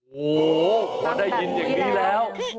โห้คนได้ยินอย่างนี้แล้ว